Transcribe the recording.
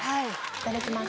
いただきます。